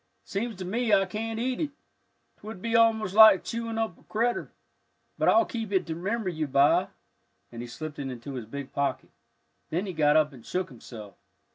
Seems to me I can't eat it, 'twould be almost like chewing up a critter, but I'll keep it to remember you by," and he slipped it into his big pocket. Then he got up and shook himself.